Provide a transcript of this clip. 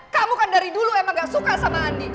kamu kan dari dulu emang gak suka sama andi